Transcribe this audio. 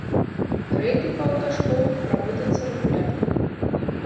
Рэйды па аўташколах праводзяцца рэгулярна.